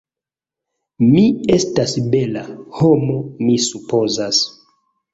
Mi estas bela... homo mi supozas.